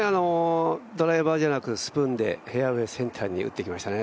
ドライバーじゃなくスプーンでフェアウエーセンターに打ってきましたね。